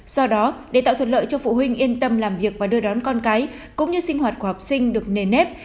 do đó để tạo thuận lợi cho phụ huynh yên tâm làm việc và đưa đón con cái cũng như sinh hoạt của học sinh được nền nếp